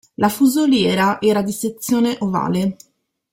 La fusoliera era di sezione ovale.